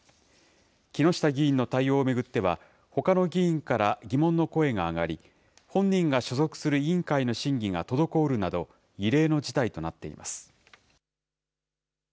木下議員の対応を巡っては、ほかの議員から疑問の声が上がり、本人が所属する委員会の審議が滞るなど、異例の事態となっています。